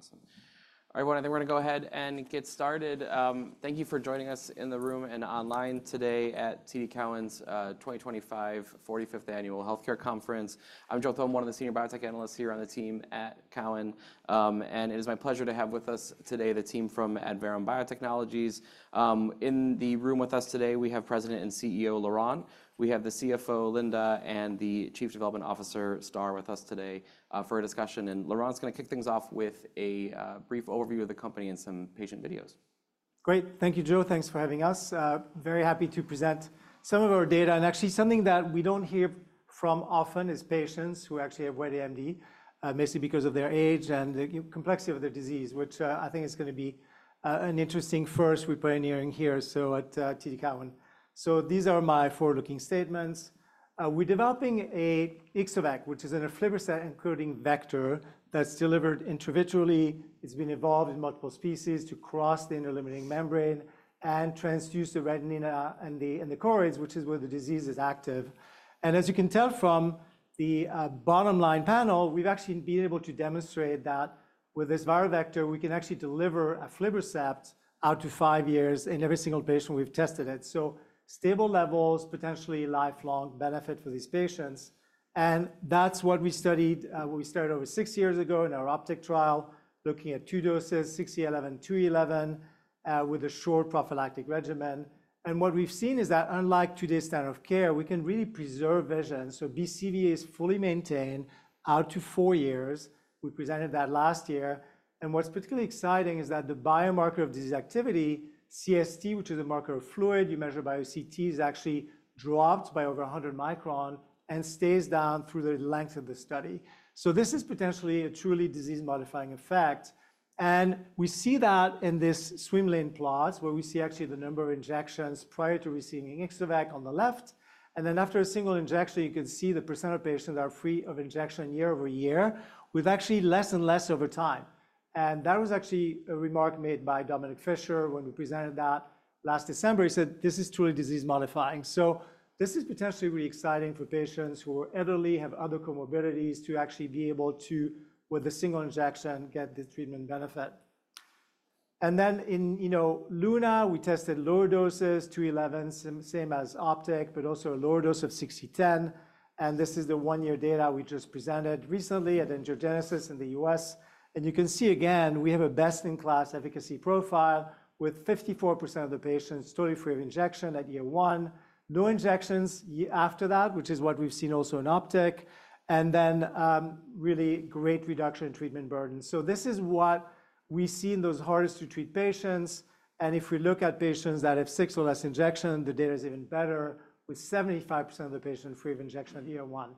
Awesome. All right, everyone, I think we're going to go ahead and get started. Thank you for joining us in the room and online today at TD Cowen's 2025 45th Annual Healthcare Conference. I'm Joe Thome, one of the senior biotech analysts here on the team at Cowen. It is my pleasure to have with us today the team from Adverum Biotechnologies. In the room with us today, we have President and CEO Laurent. We have the CFO, Linda, and the Chief Development Officer, Star, with us today for a discussion. Laurent's going to kick things off with a brief overview of the company and some patient videos. Great. Thank you, Joe. Thanks for having us. Very happy to present some of our data. Actually, something that we don't hear from often is patients who actually have wet AMD, mostly because of their age and the complexity of their disease, which I think is going to be an interesting first we're pioneering here at TD Cowen. These are my forward-looking statements. We're developing Ixo-vec, which is an aflibercept encoding vector that's delivered intravitreally. It's been evolved in multiple species to cross the inner limiting membrane and transduce the retina and the choroid, which is where the disease is active. As you can tell from the bottom line panel, we've actually been able to demonstrate that with this viral vector, we can actually deliver aflibercept out to five years in every single patient we've tested it. Stable levels, potentially lifelong benefit for these patients. That's what we studied when we started over six years ago in our OPTIC trial, looking at two doses, 6E11, 2E11, with a short prophylactic regimen. What we've seen is that unlike today's standard of care, we can really preserve vision. So BCVA is fully maintained out to four years. We presented that last year. What's particularly exciting is that the biomarker of disease activity, CST, which is a marker of fluid you measure by OCT, is actually dropped by over 100 microns and stays down through the length of the study. This is potentially a truly disease-modifying effect. We see that in this swim lane plot, where we see actually the number of injections prior to receiving Ixo-vec on the left. After a single injection, you can see the % of patients that are free of injection year-over-year with actually less and less over time. That was actually a remark made by Dominik Fischer when we presented that last December. He said, "This is truly disease-modifying." This is potentially really exciting for patients who are elderly, have other comorbidities, to actually be able to, with a single injection, get the treatment benefit. In LUNA, we tested lower doses, 2E11, same as OPTIC, but also a lower dose of 6E10. This is the one-year data we just presented recently at Angiogenesis in the U.S. You can see, again, we have a best-in-class efficacy profile with 54% of the patients totally free of injection at year one, no injections after that, which is what we've seen also in OPTIC, and then really great reduction in treatment burden. This is what we see in those hardest-to-treat patients. If we look at patients that have six or less injections, the data is even better with 75% of the patients free of injection at year one.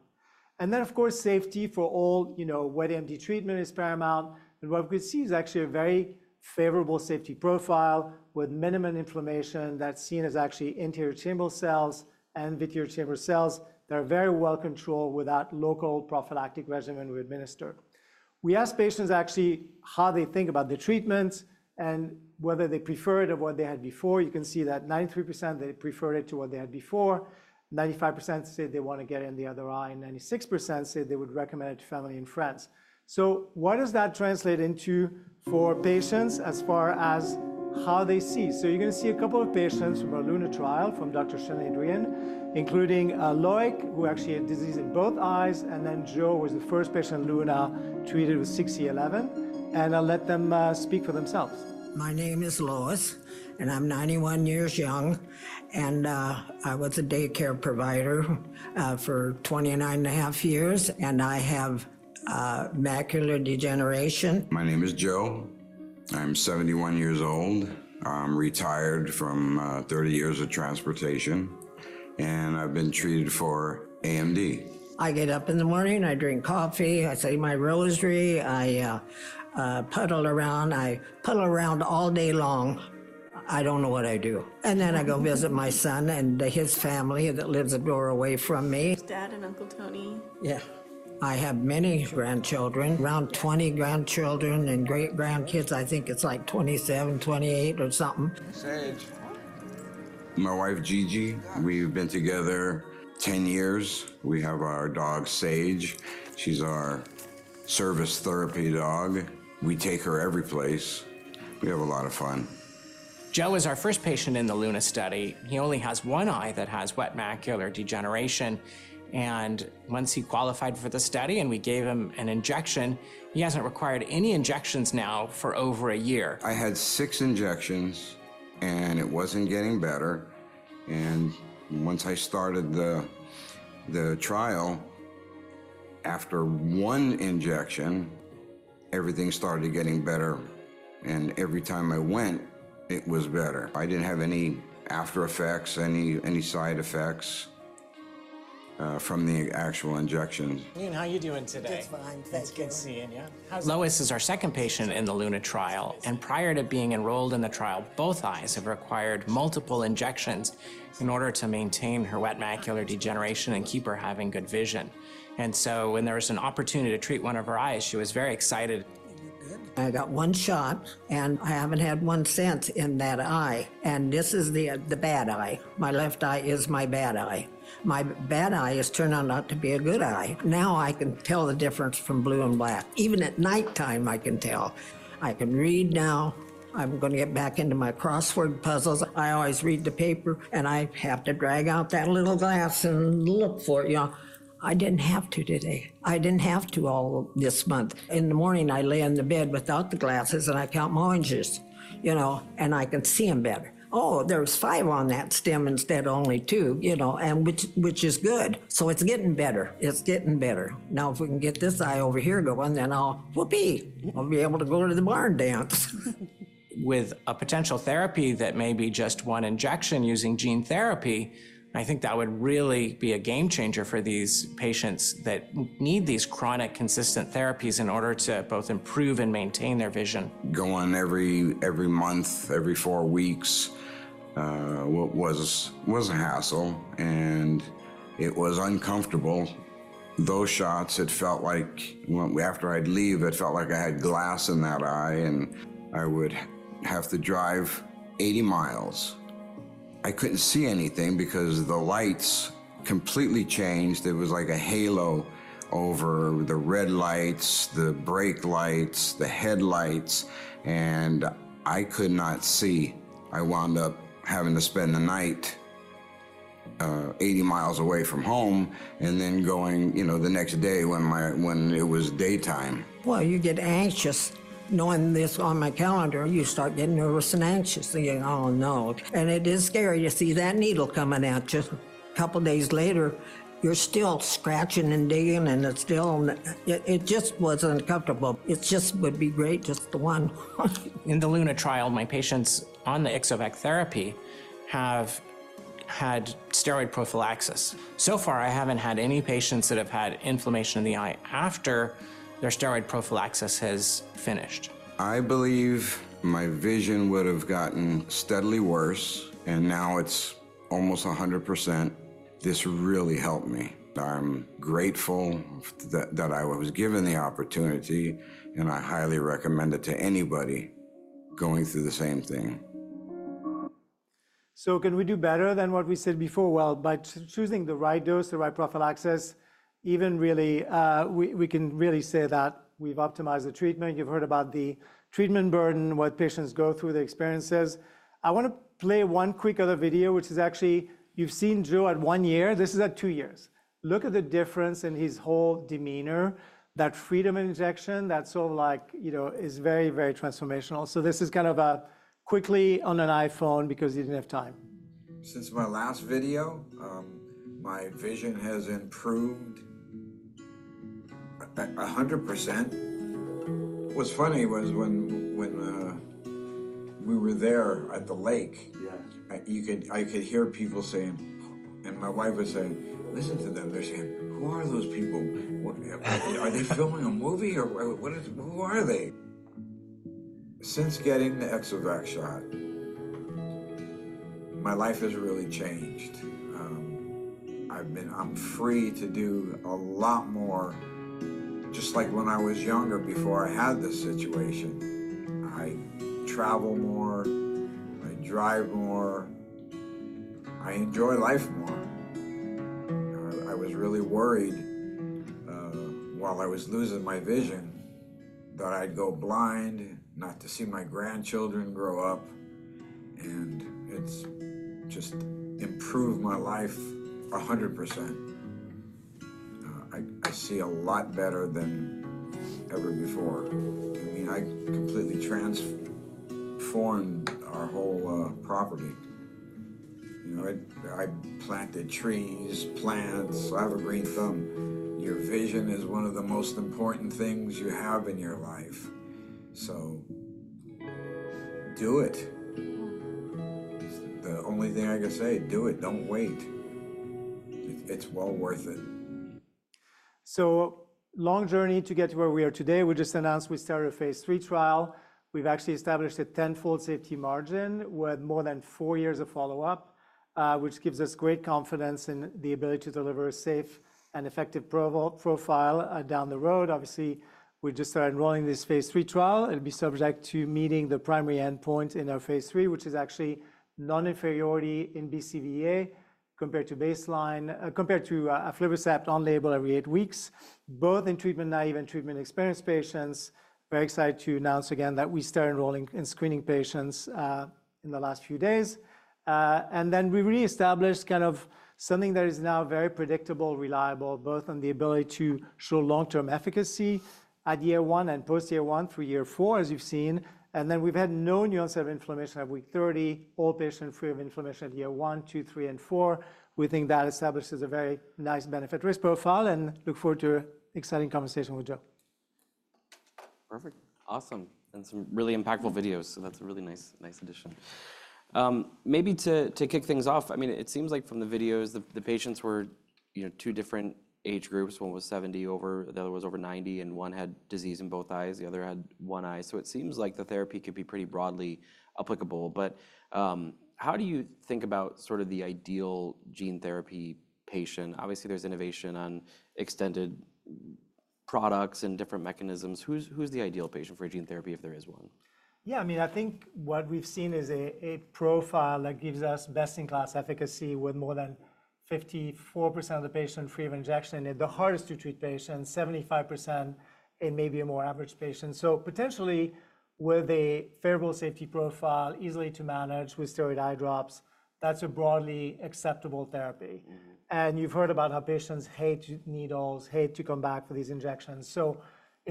Of course, safety for all wet AMD treatment is paramount. What we could see is actually a very favorable safety profile with minimum inflammation that's seen as actually anterior chamber cells and vitreous chamber cells that are very well controlled without local prophylactic regimen we administer. We asked patients actually how they think about the treatments and whether they prefer it over what they had before. You can see that 93% preferred it to what they had before. 95% said they want to get it in the other eye. 96% said they would recommend it to family and friends. What does that translate into for patients as far as how they see? You're going to see a couple of patients from our LUNA trial from Dr. Sean Adrean, including Lois, who actually had disease in both eyes. Joe was the first patient in LUNA treated with 6E11. I'll let them speak for themselves. My name is Lois, and I'm 91 years young. I was a daycare provider for 29 and a half years. I have macular degeneration. My name is Joe. I'm 71 years old. I'm retired from 30 years of transportation. I've been treated for AMD. I get up in the morning. I drink coffee. I say my rosary. I puddle around. I puddle around all day long. I do not know what I do. I go visit my son and his family that lives a door away from me. Dad and Uncle Tony. Yeah. I have many grandchildren, around 20 grandchildren and great grandkids. I think it's like 27, 28 or something. Sage. My wife, Gigi, we've been together 10 years. We have our dog, Sage. She's our service therapy dog. We take her every place. We have a lot of fun. Joe is our first patient in the LUNA study. He only has one eye that has wet macular degeneration. Once he qualified for the study and we gave him an injection, he hasn't required any injections now for over a year. I had six injections, and it wasn't getting better. Once I started the trial, after one injection, everything started getting better. Every time I went, it was better. I didn't have any aftereffects, any side effects from the actual injections. Ian, how are you doing today? Good, fine. That's good seeing you. Lois is our second patient in the LUNA trial. Prior to being enrolled in the trial, both eyes have required multiple injections in order to maintain her wet macular degeneration and keep her having good vision. When there was an opportunity to treat one of her eyes, she was very excited. I got one shot, and I haven't had one since in that eye. This is the bad eye. My left eye is my bad eye. My bad eye has turned out not to be a good eye. Now I can tell the difference from blue and black. Even at nighttime, I can tell. I can read now. I'm going to get back into my crossword puzzles. I always read the paper, and I have to drag out that little glass and look for it. I didn't have to today. I didn't have to all this month. In the morning, I lay in the bed without the glasses, and I count my oranges. I can see them better. Oh, there's five on that stem instead of only two, which is good. It is getting better. It is getting better. Now, if we can get this eye over here going, then I'll be able to go to the barn dance. With a potential therapy that may be just one injection using gene therapy, I think that would really be a game changer for these patients that need these chronic consistent therapies in order to both improve and maintain their vision. Going every month, every four weeks was a hassle. It was uncomfortable. Those shots, it felt like after I'd leave, it felt like I had glass in that eye. I would have to drive 80 miles. I could not see anything because the lights completely changed. It was like a halo over the red lights, the brake lights, the headlights. I could not see. I wound up having to spend the night 80 mi away from home and then going the next day when it was daytime. You get anxious knowing this on my calendar. You start getting nervous and anxious. You go, "Oh, no." It is scary to see that needle coming out. Just a couple of days later, you're still scratching and digging. It just was uncomfortable. It just would be great just to want. In the LUNA trial, my patients on the Ixo-vec therapy have had steroid prophylaxis. So far, I haven't had any patients that have had inflammation in the eye after their steroid prophylaxis has finished. I believe my vision would have gotten steadily worse. Now it's almost 100%. This really helped me. I'm grateful that I was given the opportunity. I highly recommend it to anybody going through the same thing. Can we do better than what we said before? By choosing the right dose, the right prophylaxis, we can really say that we've optimized the treatment. You've heard about the treatment burden, what patients go through, the experiences. I want to play one quick other video, which is actually you've seen Joe at one year. This is at two years. Look at the difference in his whole demeanor, that freedom injection that's sort of like is very, very transformational. This is kind of a quickly on an iPhone because he didn't have time. Since my last video, my vision has improved 100%. What's funny was when we were there at the lake, I could hear people saying, and my wife was saying, "Listen to them. They're saying, 'Who are those people? Are they filming a movie? Who are they?'" Since getting the Ixo-vec shot, my life has really changed. I'm free to do a lot more. Just like when I was younger before I had this situation, I travel more. I drive more. I enjoy life more. I was really worried while I was losing my vision that I'd go blind, not to see my grandchildren grow up. It's just improved my life 100%. I see a lot better than ever before. I mean, I completely transformed our whole property. I planted trees, plants. I have a green thumb. Your vision is one of the most important things you have in your life. Do it. The only thing I can say, do it. Don't wait. It's well worth it. Long journey to get to where we are today. We just announced we started a phase three trial. We've actually established a tenfold safety margin with more than four years of follow-up, which gives us great confidence in the ability to deliver a safe and effective profile down the road. Obviously, we just started enrolling in this phase three trial. It'll be subject to meeting the primary endpoint in our phase three, which is actually non-inferiority in BCVA compared to aflibercept on label every eight weeks, both in treatment naive and treatment experienced patients. Very excited to announce again that we start enrolling in screening patients in the last few days. We reestablished kind of something that is now very predictable, reliable, both on the ability to show long-term efficacy at year one and post year one through year four, as you've seen. We have had no new onset of inflammation at week 30, all patients free of inflammation at year one, two, three, and four. We think that establishes a very nice benefit-risk profile. We look forward to exciting conversation with Joe. Perfect. Awesome. Some really impactful videos. That's a really nice addition. Maybe to kick things off, I mean, it seems like from the videos, the patients were two different age groups. One was 70 over, the other was over 90. One had disease in both eyes, the other had one eye. It seems like the therapy could be pretty broadly applicable. How do you think about sort of the ideal gene therapy patient? Obviously, there's innovation on extended products and different mechanisms. Who's the ideal patient for gene therapy if there is one? Yeah. I mean, I think what we've seen is a profile that gives us best-in-class efficacy with more than 54% of the patients free of injection. In the hardest-to-treat patients, 75%, and maybe a more average patient. Potentially, with a favorable safety profile, easily to manage with steroid eye drops, that's a broadly acceptable therapy. You have heard about how patients hate needles, hate to come back for these injections.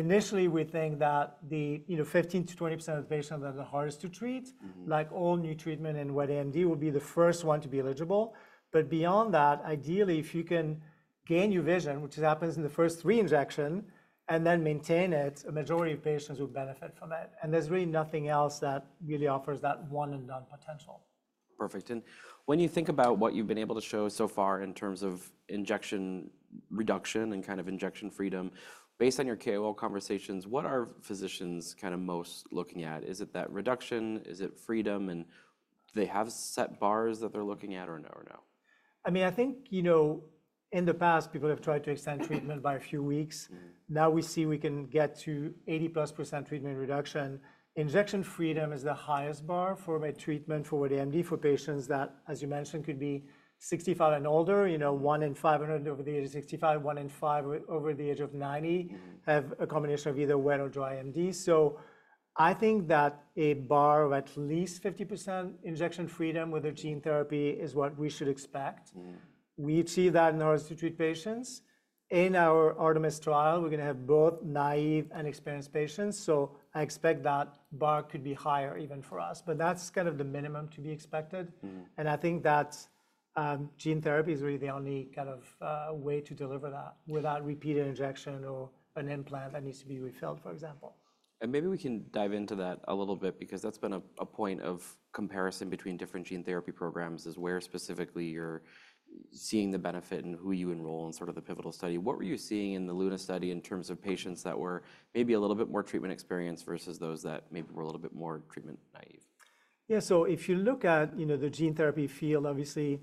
Initially, we think that the 15%-20% of the patients that are the hardest to treat, like all new treatment in wet AMD, will be the first one to be eligible. Beyond that, ideally, if you can gain your vision, which happens in the first three injections, and then maintain it, a majority of patients would benefit from it. There is really nothing else that really offers that one-and-done potential. Perfect. When you think about what you've been able to show so far in terms of injection reduction and kind of injection freedom, based on your KOL conversations, what are physicians kind of most looking at? Is it that reduction? Is it freedom? Do they have set bars that they're looking at or no? I mean, I think in the past, people have tried to extend treatment by a few weeks. Now we see we can get to 80+% treatment reduction. Injection freedom is the highest bar for treatment for wet AMD for patients that, as you mentioned, could be 65 and older, one in 500 over the age of 65, one in 5 over the age of 90 have a combination of either wet or dry AMD. I think that a bar of at least 50% injection freedom with the gene therapy is what we should expect. We achieve that in order to treat patients. In our ARTEMIS trial, we're going to have both naive and experienced patients. I expect that bar could be higher even for us. That's kind of the minimum to be expected. I think that gene therapy is really the only kind of way to deliver that without repeated injection or an implant that needs to be refilled, for example. Maybe we can dive into that a little bit because that's been a point of comparison between different gene therapy programs, is where specifically you're seeing the benefit and who you enroll in sort of the pivotal study. What were you seeing in the LUNA study in terms of patients that were maybe a little bit more treatment experienced versus those that maybe were a little bit more treatment naive? Yeah. If you look at the gene therapy field, obviously,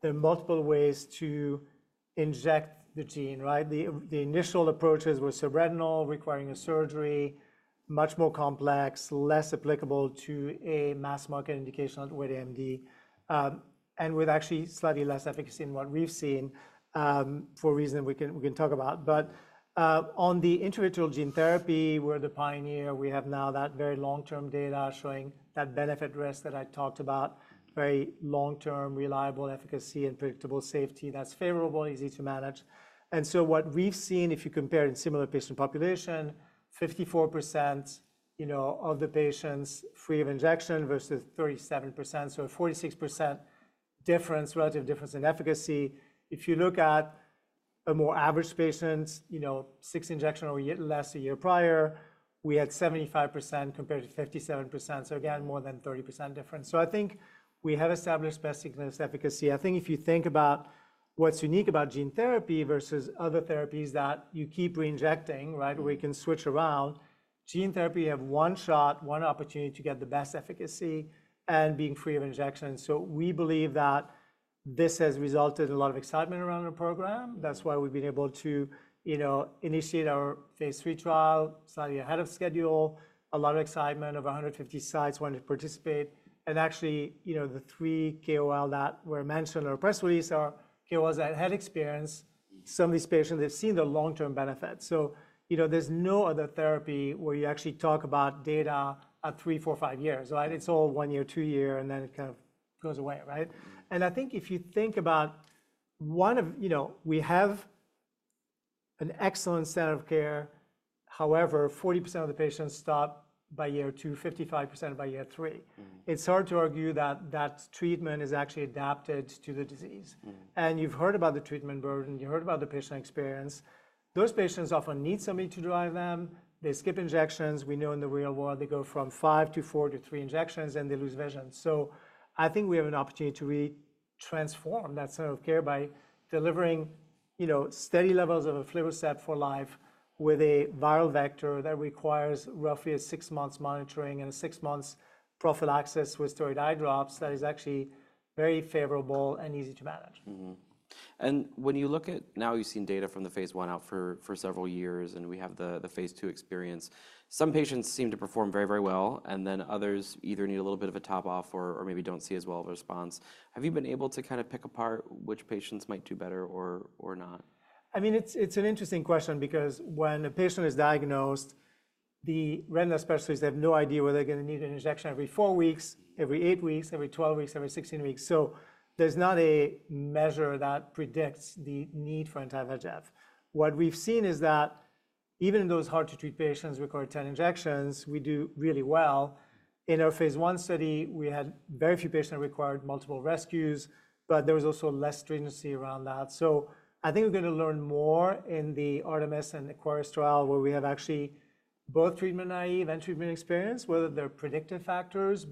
there are multiple ways to inject the gene. The initial approaches were subretinal, requiring a surgery, much more complex, less applicable to a mass market indication of wet AMD, and with actually slightly less efficacy than what we've seen for reasons we can talk about. On the intravitreal gene therapy, we're the pioneer. We have now that very long-term data showing that benefit-risk that I talked about, very long-term reliable efficacy and predictable safety that's favorable, easy to manage. What we've seen, if you compare in similar patient population, 54% of the patients free of injection versus 37%. A 46% difference, relative difference in efficacy. If you look at a more average patient, six injections or less a year prior, we had 75% compared to 57%. Again, more than 30% difference. I think we have established best-in-class efficacy. I think if you think about what's unique about gene therapy versus other therapies that you keep reinjecting, where you can switch around, gene therapy, you have one shot, one opportunity to get the best efficacy and being free of injection. We believe that this has resulted in a lot of excitement around our program. That's why we've been able to initiate our phase three trial slightly ahead of schedule. A lot of excitement of 150 sites wanting to participate. Actually, the three KOL that were mentioned or press release are KOLs that had experience. Some of these patients, they've seen the long-term benefit. There is no other therapy where you actually talk about data at three, four, five years. It's all one year, two year, and then it kind of goes away. I think if you think about one of we have an excellent set of care. However, 40% of the patients stop by year two, 55% by year three. It's hard to argue that that treatment is actually adapted to the disease. You have heard about the treatment burden. You heard about the patient experience. Those patients often need somebody to drive them. They skip injections. We know in the real world, they go from five to four to three injections, and they lose vision. I think we have an opportunity to really transform that set of care by delivering steady levels of aflibercept for life with a viral vector that requires roughly a six-month monitoring and a six-month prophylaxis with steroid eye drops that is actually very favorable and easy to manage. When you look at now, you've seen data from the phase one out for several years. We have the phase two experience. Some patients seem to perform very, very well. Others either need a little bit of a top-off or maybe do not see as well of a response. Have you been able to kind of pick apart which patients might do better or not? I mean, it's an interesting question because when a patient is diagnosed, the retina specialists have no idea whether they're going to need an injection every four weeks, every eight weeks, every 12 weeks, every 16 weeks. There is not a measure that predicts the need for anti-VEGF. What we've seen is that even in those hard-to-treat patients requiring 10 injections, we do really well. In our phase one study, we had very few patients that required multiple rescues. There was also less stringency around that. I think we're going to learn more in the ARTEMIS and AQUARIUS trial, where we have actually both treatment naive and treatment experienced, whether there are predictive factors.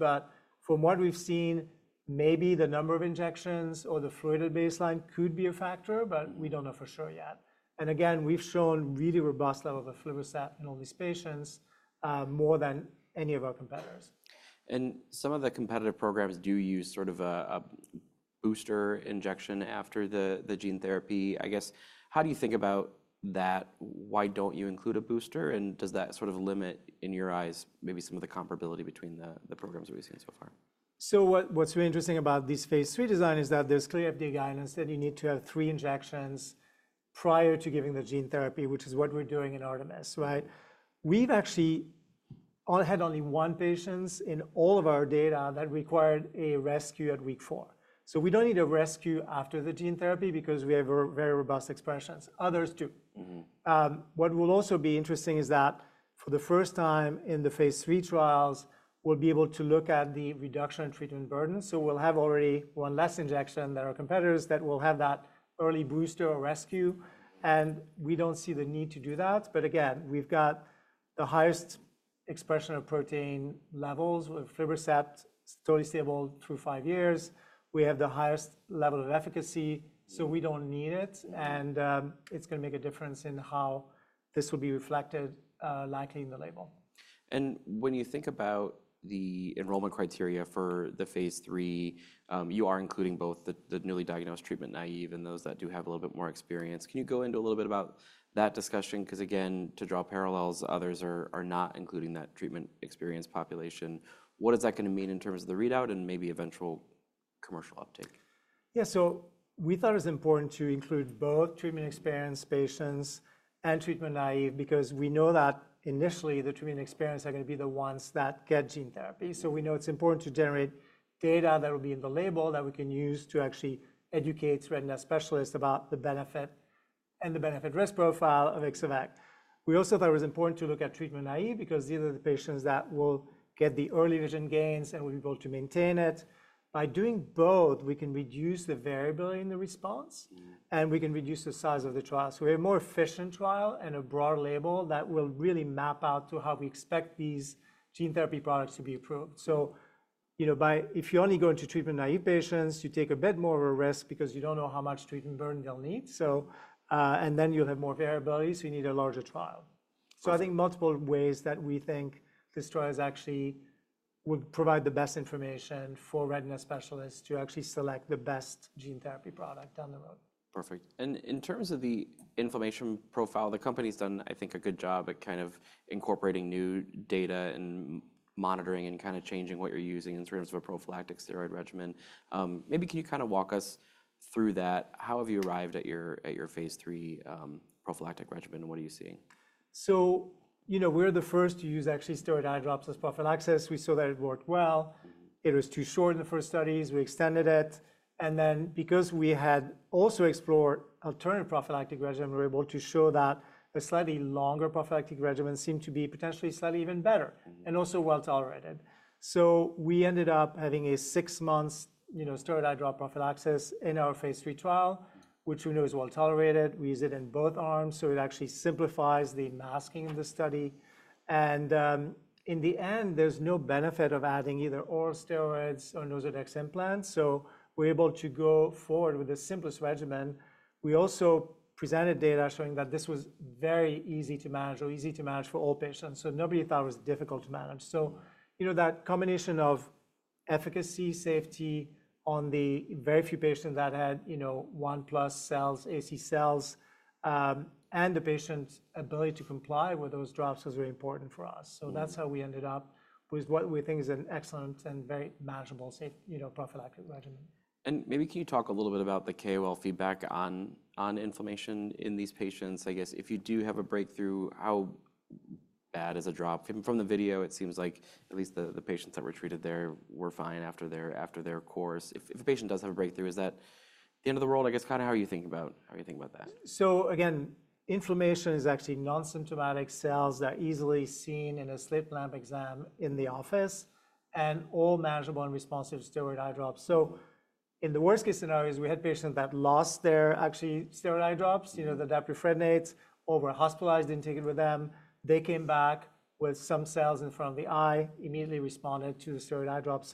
From what we've seen, maybe the number of injections or the fluid at baseline could be a factor. We don't know for sure yet. Again, we've shown really robust levels of aflibercept in all these patients, more than any of our competitors. Some of the competitive programs do use sort of a booster injection after the gene therapy. I guess, how do you think about that? Why don't you include a booster? Does that sort of limit, in your eyes, maybe some of the comparability between the programs we've seen so far? What's really interesting about this phase three design is that there's clear FDA guidance that you need to have three injections prior to giving the gene therapy, which is what we're doing in ARTEMIS. We've actually had only one patient in all of our data that required a rescue at week four. We don't need a rescue after the gene therapy because we have very robust expressions. Others do. What will also be interesting is that for the first time in the phase three trials, we'll be able to look at the reduction in treatment burden. We'll have already one less injection than our competitors that will have that early booster or rescue. We don't see the need to do that. Again, we've got the highest expression of protein levels with aflibercept totally stable through five years. We have the highest level of efficacy. We don't need it. It's going to make a difference in how this will be reflected likely in the label. When you think about the enrollment criteria for the phase three, you are including both the newly diagnosed treatment naive and those that do have a little bit more experience. Can you go into a little bit about that discussion? Because again, to draw parallels, others are not including that treatment experience population. What is that going to mean in terms of the readout and maybe eventual commercial uptake? Yeah. We thought it was important to include both treatment experienced patients and treatment naive because we know that initially, the treatment experienced are going to be the ones that get gene therapy. We know it's important to generate data that will be in the label that we can use to actually educate retina specialists about the benefit and the benefit-risk profile of Ixo-vec. We also thought it was important to look at treatment naive because these are the patients that will get the early vision gains and will be able to maintain it. By doing both, we can reduce the variability in the response. We can reduce the size of the trial. We have a more efficient trial and a broad label that will really map out to how we expect these gene therapy products to be approved. If you're only going to treatment naive patients, you take a bit more of a risk because you don't know how much treatment burden they'll need. You will have more variability, so you need a larger trial. I think multiple ways that we think this trial actually would provide the best information for randomized specialists to actually select the best gene therapy product down the road. Perfect. In terms of the inflammation profile, the company's done, I think, a good job at kind of incorporating new data and monitoring and kind of changing what you're using in terms of a prophylactic steroid regimen. Maybe can you kind of walk us through that? How have you arrived at your phase three prophylactic regimen? What are you seeing? We're the first to use actually steroid eye drops as prophylaxis. We saw that it worked well. It was too short in the first studies. We extended it. Because we had also explored alternative prophylactic regimen, we were able to show that a slightly longer prophylactic regimen seemed to be potentially slightly even better and also well tolerated. We ended up having a six-month steroid eye drop prophylaxis in our phase three trial, which we know is well tolerated. We use it in both arms. It actually simplifies the masking of the study. In the end, there's no benefit of adding either oral steroids or Ozurdex implants. We're able to go forward with the simplest regimen. We also presented data showing that this was very easy to manage or easy to manage for all patients. Nobody thought it was difficult to manage. That combination of efficacy, safety on the very few patients that had 1+ cells, AC cells, and the patient's ability to comply with those drops was very important for us. That is how we ended up with what we think is an excellent and very manageable prophylactic regimen. Maybe can you talk a little bit about the KOL feedback on inflammation in these patients? I guess if you do have a breakthrough, how bad is a drop? From the video, it seems like at least the patients that were treated there were fine after their course. If a patient does have a breakthrough, is that the end of the world? I guess kind of how are you thinking about that? Again, inflammation is actually non-symptomatic cells that are easily seen in a slit lamp exam in the office and all manageable and responsive to steroid eye drops. In the worst-case scenarios, we had patients that lost their actually steroid eye drops, the difluprednate, or were hospitalized and did not take it with them. They came back with some cells in front of the eye, immediately responded to the steroid eye drop.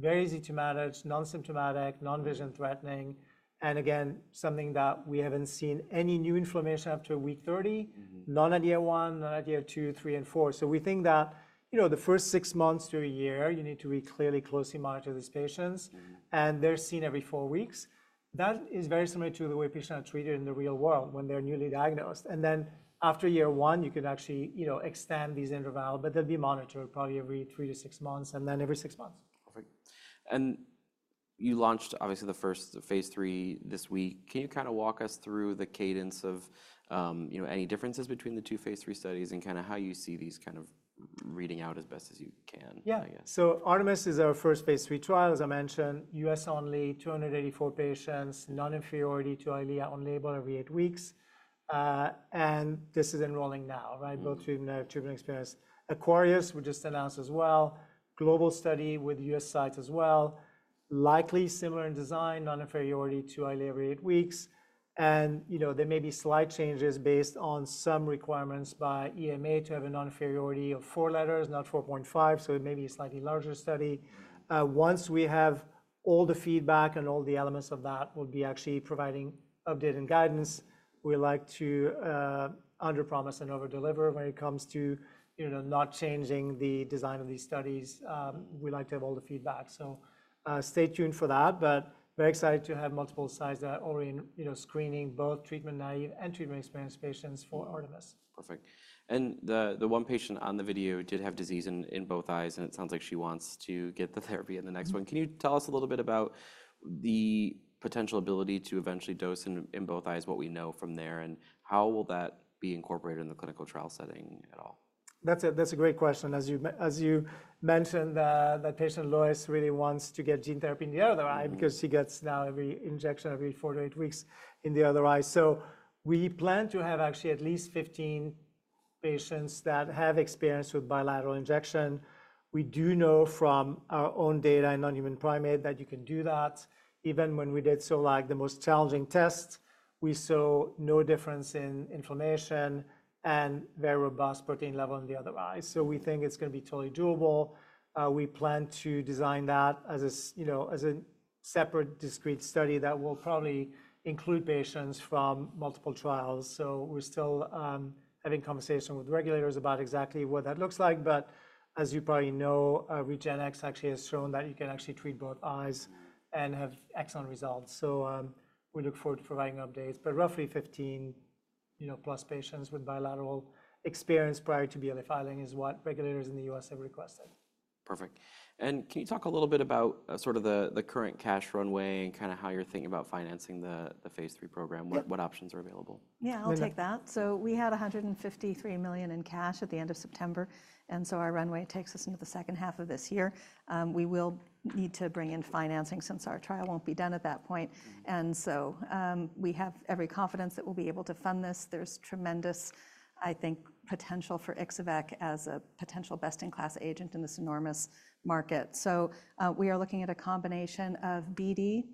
Very easy to manage, non-symptomatic, non-vision threatening. Again, something that we have not seen any new inflammation after week 30, none at year one, none at year two, three, and four. We think that the first six months to a year, you need to really closely monitor these patients. They are seen every four weeks. That is very similar to the way patients are treated in the real world when they are newly diagnosed. After year one, you can actually extend these intervals. They'll be monitored probably every three to six months and then every six months. Perfect. You launched, obviously, the first phase three this week. Can you kind of walk us through the cadence of any differences between the two phase three studies and kind of how you see these kind of reading out as best as you can? Yeah. Artemis is our first phase 3 trial, as I mentioned, U.S. only, 284 patients, non-inferiority to Eylea on label every eight weeks. This is enrolling now, both treatment and treatment experience. Aquarius we just announced as well, global study with U.S. sites as well, likely similar in design, non-inferiority to Eylea every eight weeks. There may be slight changes based on some requirements by EMA to have a non-inferiority of four letters, not 4.5. It may be a slightly larger study. Once we have all the feedback and all the elements of that, we'll be actually providing updated guidance. We like to under-promise and over-deliver when it comes to not changing the design of these studies. We like to have all the feedback. Stay tuned for that. Very excited to have multiple sites that are already screening both treatment naive and treatment experienced patients for ARTEMIS. Perfect. The one patient on the video did have disease in both eyes. It sounds like she wants to get the therapy in the next one. Can you tell us a little bit about the potential ability to eventually dose in both eyes, what we know from there, and how will that be incorporated in the clinical trial setting at all? That's a great question. As you mentioned, the patient, Lois, really wants to get gene therapy in the other eye because she gets now every injection every four to eight weeks in the other eye. We plan to have actually at least 15 patients that have experience with bilateral injection. We do know from our own data in non-human primate that you can do that. Even when we did the most challenging test, we saw no difference in inflammation and very robust protein level in the other eye. We think it's going to be totally doable. We plan to design that as a separate discrete study that will probably include patients from multiple trials. We're still having conversation with regulators about exactly what that looks like. As you probably know, Regeneron actually has shown that you can actually treat both eyes and have excellent results. We look forward to providing updates. Roughly 15-plus patients with bilateral experience prior to BLA filing is what regulators in the U.S. have requested. Perfect. Can you talk a little bit about sort of the current cash runway and kind of how you're thinking about financing the phase three program? What options are available? Yeah, I'll take that. We had $153 million in cash at the end of September. Our runway takes us into the second half of this year. We will need to bring in financing since our trial won't be done at that point. We have every confidence that we'll be able to fund this. There's tremendous, I think, potential for Ixo-vec as a potential best-in-class agent in this enormous market. We are looking at a combination of BD.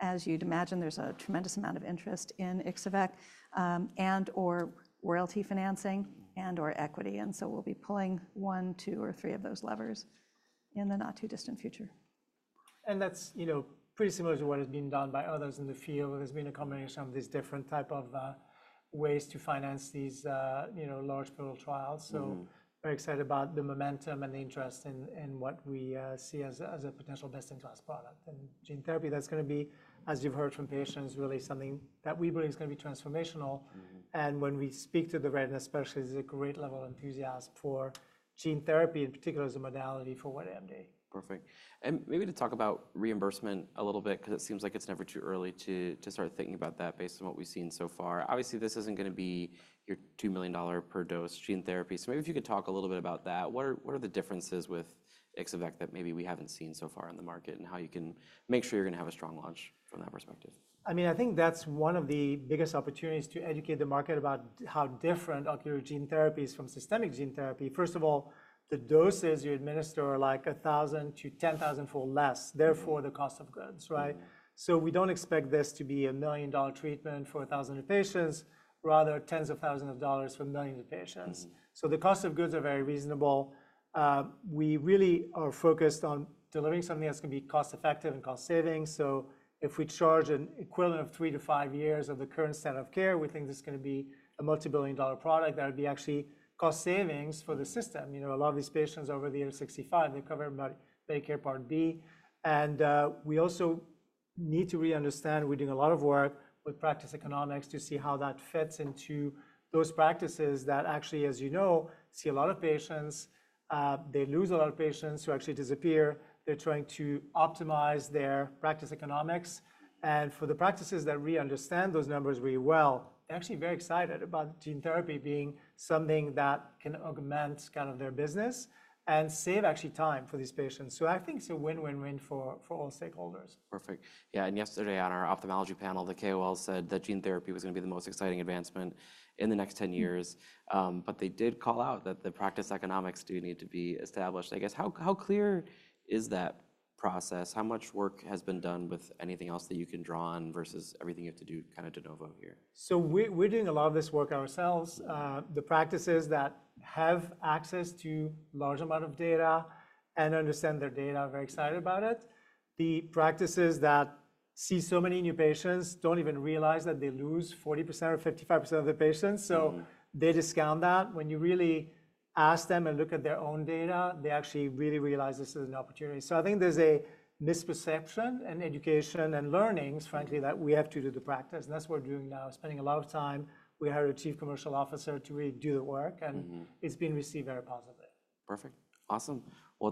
As you'd imagine, there's a tremendous amount of interest in Ixo-vec and/or royalty financing and/or equity. We'll be pulling one, two, or three of those levers in the not-too-distant future. That is pretty similar to what has been done by others in the field. There has been a combination of these different types of ways to finance these large-scale trials. Very excited about the momentum and the interest in what we see as a potential best-in-class product. Gene therapy, as you have heard from patients, is really something that we believe is going to be transformational. When we speak to the retina specialists, there is a great level of enthusiasm for gene therapy, in particular, as a modality for wet AMD. Perfect. Maybe to talk about reimbursement a little bit because it seems like it's never too early to start thinking about that based on what we've seen so far. Obviously, this isn't going to be your $2 million per dose gene therapy. Maybe if you could talk a little bit about that. What are the differences with Ixo-vec that maybe we haven't seen so far in the market and how you can make sure you're going to have a strong launch from that perspective? I mean, I think that's one of the biggest opportunities to educate the market about how different ocular gene therapies are from systemic gene therapy. First of all, the doses you administer are like 1,000-10,000-fold less. Therefore, the cost of goods, right? We don't expect this to be a million-dollar treatment for 1,000 patients. Rather, tens of thousands of dollars for millions of patients. The cost of goods are very reasonable. We really are focused on delivering something that's going to be cost-effective and cost-saving. If we charge an equivalent of three to five years of the current standard of care, we think this is going to be a multi-billion-dollar product that would be actually cost-savings for the system. A lot of these patients are over the age of 65. They cover everybody, Medicare Part B. We also need to really understand we're doing a lot of work with practice economics to see how that fits into those practices that actually, as you know, see a lot of patients. They lose a lot of patients who actually disappear. They're trying to optimize their practice economics. And for the practices that really understand those numbers really well, they're actually very excited about gene therapy being something that can augment kind of their business and save actually time for these patients. I think it's a win-win-win for all stakeholders. Perfect. Yeah. Yesterday, on our ophthalmology panel, the KOL said that gene therapy was going to be the most exciting advancement in the next 10 years. They did call out that the practice economics do need to be established. I guess how clear is that process? How much work has been done with anything else that you can draw on versus everything you have to do kind of de novo here? We're doing a lot of this work ourselves. The practices that have access to large amounts of data and understand their data are very excited about it. The practices that see so many new patients do not even realize that they lose 40% or 55% of the patients, so they discount that. When you really ask them and look at their own data, they actually really realize this is an opportunity. I think there's a misperception and education and learnings, frankly, that we have to do the practice. That's what we're doing now, spending a lot of time. We hired a Chief Commercial Officer to really do the work, and it's been received very positively. Perfect. Awesome.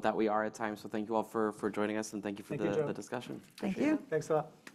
That we are at time. Thank you all for joining us. Thank you for the discussion. Thank you. Thanks a lot.